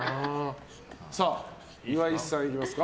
岩井さん、いきますか。